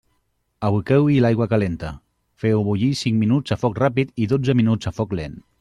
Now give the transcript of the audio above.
Aboqueu-hi l'aigua calenta, feu-ho bullir cinc minuts a foc ràpid i dotze minuts a foc lent.